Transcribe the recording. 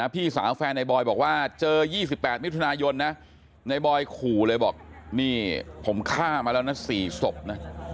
พี่สาวแฟนในบอยบอกว่าเจอ๒๘มิถุนายนนะในบอยขู่เลยบอกนี่ผมฆ่ามาแล้วนะ๔ศพนะ